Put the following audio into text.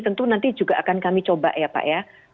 tentu nanti juga akan kami coba ya pak ya